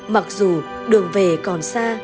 mặc dù đường về còn xa